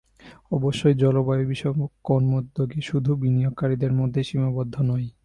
অবশ্যই, জলবায়ুবিষয়ক কর্মোদ্যোগ শুধু বিনিয়োগকারীদের মধ্যেই সীমাবদ্ধ নয়।